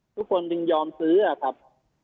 ทุกคนจึงยอมซื้อครับ